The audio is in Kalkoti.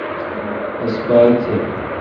رس پاک تھ۔